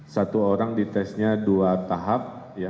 satu orang ditesnya dua tahap